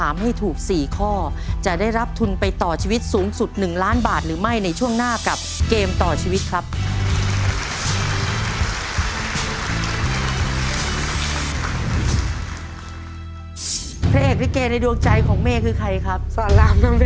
แม่ขวัญจะร่วมกันคว้าโอกาสในการแก้วิกฤ